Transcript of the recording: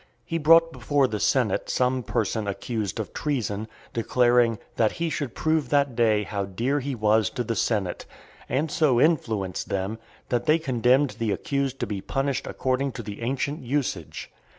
He brought before the senate some persona accused of treason, declaring, "that he should prove that day how dear he was to the senate;" and so influenced them, that they condemned the accused to be punished according to the ancient usage .